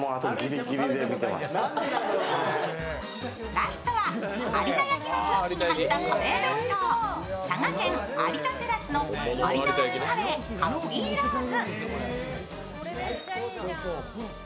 ラストは有田焼の陶器に入った弁当、佐賀県、有田テラスの有田焼カレーハッピーローズ。